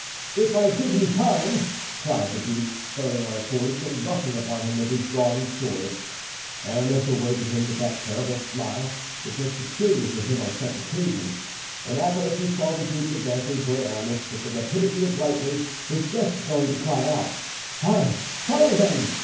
"If I give you time!" cried the duke, spurring on his horse and rushing upon him with his drawn sword. Aramis awaited him with that terrible smile which was peculiar to him on such occasions, and Athos, who saw the duke advancing toward Aramis with the rapidity of lightning, was just going to cry out, "Fire! fire, then!"